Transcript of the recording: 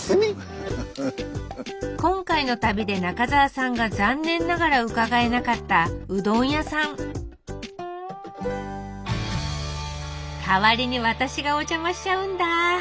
今回の旅で中澤さんが残念ながら伺えなかったうどん屋さん代わりに私がおじゃましちゃうんだ。